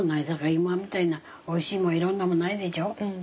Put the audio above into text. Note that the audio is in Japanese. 今みたいなおいしいもんいろんなもんないでしょ。